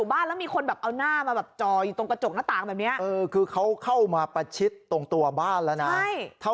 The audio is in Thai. หันดีทีแล้วไปได้ให้มันหรือเปล่า